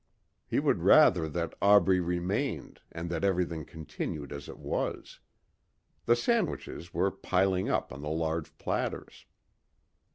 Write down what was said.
He would rather that Aubrey remained and that everything continued as it was. The sandwiches were piling up on the large platters.